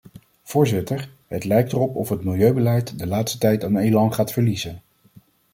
Voorzitter, het lijkt erop of het milieubeleid de laatste tijd aan elan gaat verliezen.